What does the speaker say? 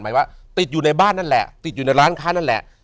หมายว่าติดอยู่ในบ้านนั่นแหละติดอยู่ในร้านค้านั่นแหละ